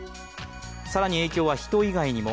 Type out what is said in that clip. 更に、影響は人以外にも。